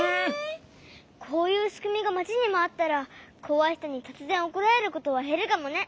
こういうしくみがまちにもあったらこわいひとにとつぜんおこられることはへるかもね。